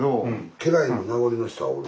家来の名残の人はおる？